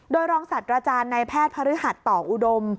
โดยรองศัตว์อาจารย์ในแพทย์พระฤหัสต่ออุดม